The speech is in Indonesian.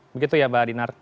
begitu ya mbak dinar